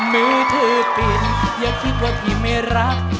มือถือปิดอย่าคิดว่าพี่ไม่รัก